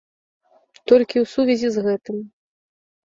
Толькі ў сувязі з гэтым.